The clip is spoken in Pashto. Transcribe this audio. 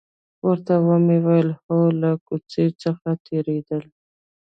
ورته ومې ویل: هو، له کوڅې څخه تېرېدل.